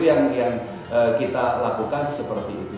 yang kita lakukan seperti itu